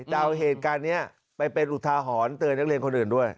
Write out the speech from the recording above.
จะเอาเหตุการณ์นี้ไปเป็นอุทาหรณ์เตือนนักเรียนคนอื่นด้วย